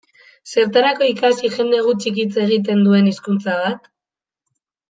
Zertarako ikasi jende gutxik hitz egiten duen hizkuntza bat?